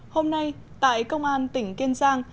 hôm nay tại công an tỉnh kiên giang